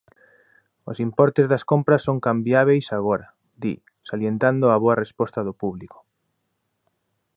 "Os importes das compras son cambiábeis agora", di, salientando a boa resposta do público.